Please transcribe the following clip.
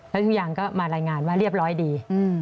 แล้วทุกอย่างก็มารายงานว่าเรียบร้อยดี